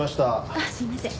あっすみません。